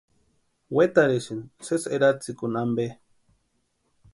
Wetarhisïnti sési eratsikuni ampe.